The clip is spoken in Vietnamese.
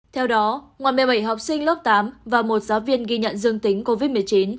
theo đó ngoài một mươi bảy học sinh lớp tám và một giáo viên ghi nhận dương tính covid một mươi chín